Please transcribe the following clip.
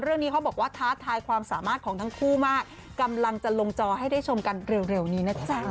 เรื่องนี้เขาบอกว่าท้าทายความสามารถของทั้งคู่มากกำลังจะลงจอให้ได้ชมกันเร็วนี้นะจ๊ะ